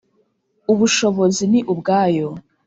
Ubushobozi ni ubwayo